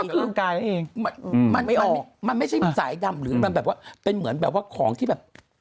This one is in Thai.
ก็คือร่างกายนั้นเองมันไม่ออกมันไม่ใช่สายดำหรือมันแบบว่าเป็นเหมือนแบบว่าของที่แบบ